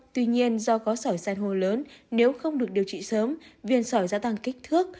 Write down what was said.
tuy nhiên do có sỏi san hô lớn nếu không được điều trị sớm viêm sỏi gia tăng kích thước